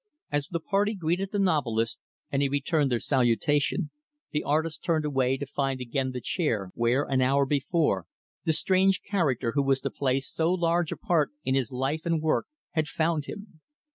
As the party greeted the novelist and he returned their salutation, the artist turned away to find again the chair, where, an hour before, the strange character who was to play so large a part in his life and work had found him.